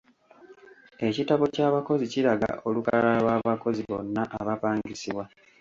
Ekitabo ky’abakozi kiraga olukalala lw’abakozi bonna abapangisibwa.